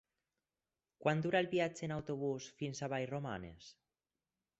Quant dura el viatge en autobús fins a Vallromanes?